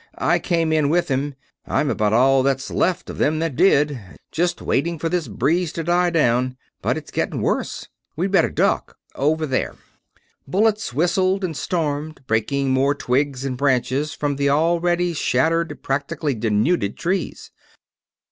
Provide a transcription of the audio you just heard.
I came in with him I'm about all that's left of them that did just waiting for this breeze to die down, but its getting worse. We'd better duck over there!" Bullets whistled and stormed, breaking more twigs and branches from the already shattered, practically denuded trees.